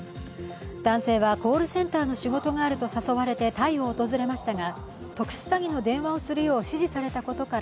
男性は、コールセンターの仕事があると誘われてタイを訪れましたが特殊詐欺の電話をするよう指示されたことから